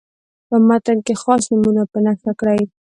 په متن کې خاص نومونه په نښه کړئ.